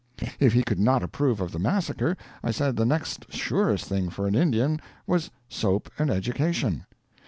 If he could not approve of the massacre, I said the next surest thing for an Indian was soap and education.